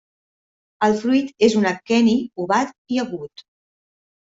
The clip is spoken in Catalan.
El fruit és un aqueni ovat i agut.